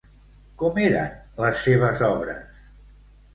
Com eren les seves obres?